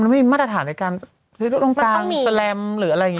มีมาตรฐานในการเลาะจงคลางแซลแมมหรืออะไรอีกหรอ